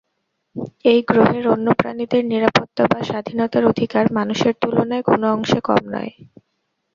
এই গ্রহের অন্য প্রাণীদের নিরাপত্তা বা স্বাধীনতার অধিকার মানুষের তুলনায় কোনো অংশে কম নয়।